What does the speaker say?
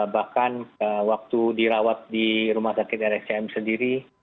bahkan waktu dirawat di rumah sakit rscm sendiri